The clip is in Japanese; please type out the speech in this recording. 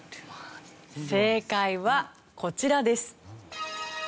正解はこちらです。